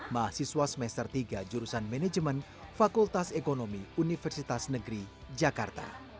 mahasiswa semester tiga jurusan manajemen fakultas ekonomi universitas negeri jakarta